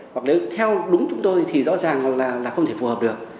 hoặc là theo đúng chúng tôi thì rõ ràng là không thể phù hợp được